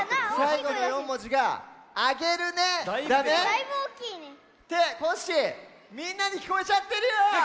だいぶおおきいね。ってコッシーみんなにきこえちゃってるよ！